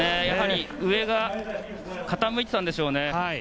やはり上が傾いていたんでしょうね。